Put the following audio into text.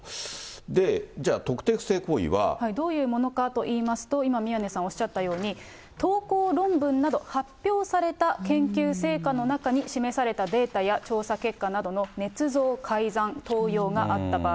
で、じゃあ特定不正行為は。どういうものかといいますと、今、宮根さんおっしゃったように、投稿論文など、発表された研究成果の中に示されたデータや調査結果などのねつ造、改ざん、盗用があった場合。